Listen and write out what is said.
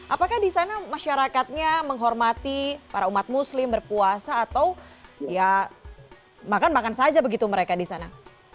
apakah di sana masyarakatnya menghormati para umat muslim berpuasa atau ya makan makan saja begitu mereka di sana